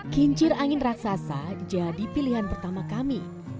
kincir angin raksasa jadi pilihan pertama kami